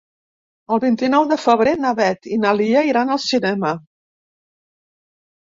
El vint-i-nou de febrer na Beth i na Lia iran al cinema.